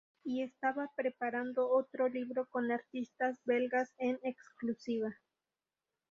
Y estaba preparando otro libro con artistas belgas en exclusiva.